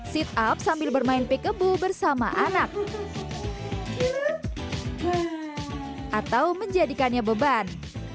sit up sambil bermain pick kebu bersama anak atau menjadikannya beban